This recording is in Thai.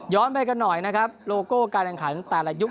ไปกันหน่อยนะครับโลโก้การแข่งขันแต่ละยุค